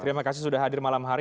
terima kasih sudah hadir malam hari